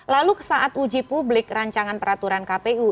lalu saat uji publik rancangan peraturan kpu